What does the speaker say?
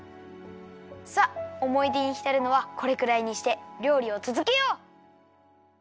さあおもいでにひたるのはこれくらいにしてりょうりをつづけよう。